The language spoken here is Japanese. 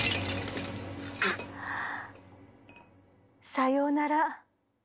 ああさようなら。